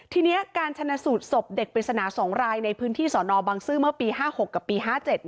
ทีนี้การชนะสูตรศพเด็กปริศนา๒รายในพื้นที่สอนอบังซื้อเมื่อปี๕๖กับปี๕๗